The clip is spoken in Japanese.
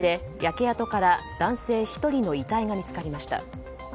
この火事で焼け跡から男性１人の遺体が見つかりました。